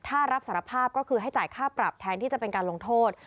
ถ้ารับสารภาพก็คือให้จ่ายค่าปรับแทนที่จะเป็นการลงโทษ